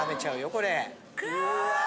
これ。